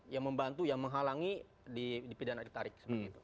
yang membantu yang menghalangi di pidana ditarik